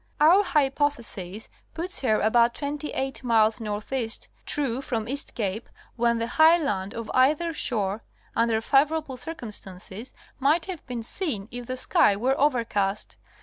Our hypothesis puts her about twenty eight miles N.E. true from East Cape when the high land of either shore, under favorable circumstances, might have been seen even if the sky were overcast.